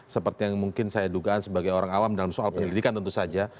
seperti yang mungkin saya dugaan sebagai orang awam dalam soal pendidikan tentu saja